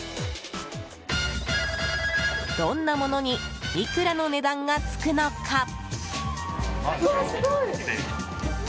どんなものにいくらの値段がつくのか？